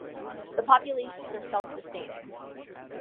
The populations are self-sustaining.